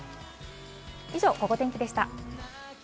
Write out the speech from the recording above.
以上、ゴゴ天気でした。